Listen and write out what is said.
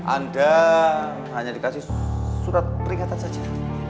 anda hanya dikasih surat peringatan saja